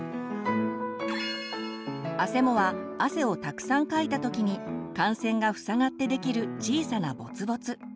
あせもは汗をたくさんかいた時に汗腺が塞がってできる小さなボツボツ。